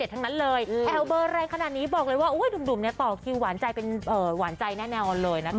แถวเบอร์แรงขนาดนี้บอกเลยว่าดูบดุบนี่ต่อคิวหวานใยเป็นหวานใจแน่เลยนะคะ